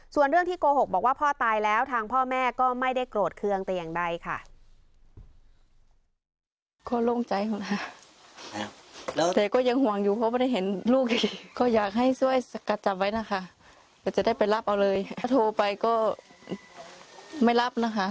ส่วนเรื่องที่โกหกบอกว่าพ่อตายแล้วทางพ่อแม่ก็ไม่ได้โกรธเครื่องแต่อย่างใดค่ะ